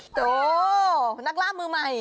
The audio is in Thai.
โอ้โฮนักล่ามือใหม่